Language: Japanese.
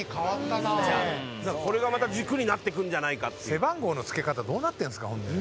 背番号のつけ方どうなってるんですかほんで。